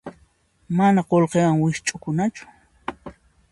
Mana qullqiwan wikch'ukunachu.